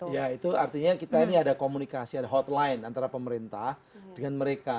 ya itu artinya kita ini ada komunikasi ada hotline antara pemerintah dengan mereka